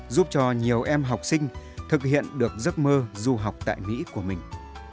giúp cho nhiều em học sinh thực hiện được giấc mơ du học tại mỹ của mình